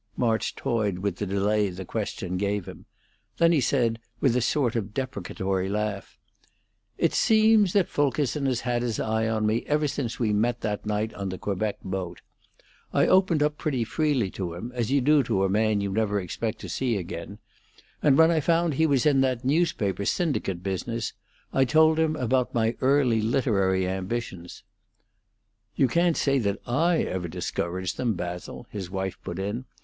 March toyed with the delay the question gave him; then he said, with a sort of deprecatory laugh: "It seems that Fulkerson has had his eye on me ever since we met that night on the Quebec boat. I opened up pretty freely to him, as you do to a man you never expect to see again, and when I found he was in that newspaper syndicate business I told him about my early literary ambitions " "You can't say that I ever discouraged them, Basil," his wife put in.